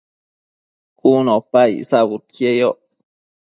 cun opa icsabudquieyoc